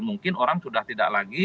mungkin orang sudah tidak lagi